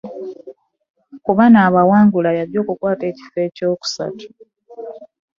Ku bano, abaawangula y'aggya okukwata ekifo eky'okusatu